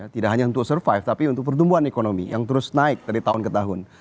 tidak hanya untuk survive tapi untuk pertumbuhan ekonomi yang terus naik dari tahun ke tahun